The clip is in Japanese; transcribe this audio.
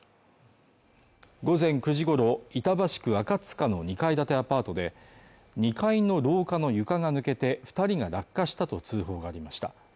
午前９時ごろ、板橋区赤塚の２階建てアパートで２階の廊下の床が抜けて、２人が落下したと通報がありました。